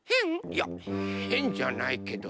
いやへんじゃないけど。